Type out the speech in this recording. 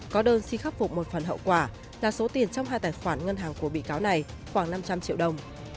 có đơn xin khắc phục một phần hậu quả là số tiền trong hai tài khoản ngân hàng của bị cáo này khoảng năm trăm linh triệu đồng